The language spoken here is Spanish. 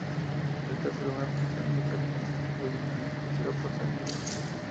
Se trata de una producción independiente distribuida en exclusiva por Sony Music.